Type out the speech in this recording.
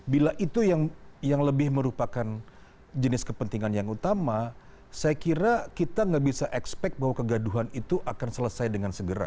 bila itu yang lebih merupakan jenis kepentingan yang utama saya kira kita nggak bisa expect bahwa kegaduhan itu akan selesai dengan segera